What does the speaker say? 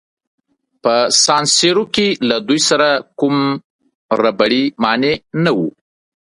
په سان سیرو کې له دوی سره کوم ربړي مانع نه وو.